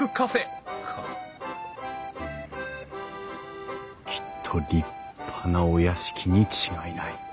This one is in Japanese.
うんきっと立派なお屋敷に違いない。